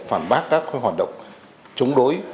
phản bác các hoạt động chống đối